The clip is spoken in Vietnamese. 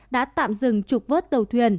đã tạm dừng trục vớt tàu thuyền